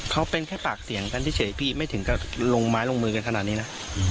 เขาเป็นแค่ปากเสียงกันเฉยพี่ไม่ถึงกับลงไม้ลงมือกันขนาดนี้นะ